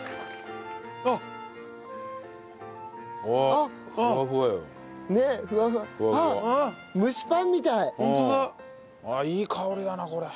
あっいい香りだなこれ。